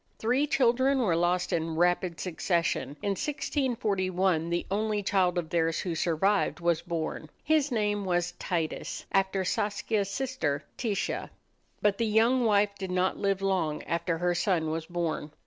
Three children were lost in rapid succession. In 1641 the only child of theirs who survived was born. He was named Titus, after Saskia's sister Titia. But the young wife did not live long after her son was born.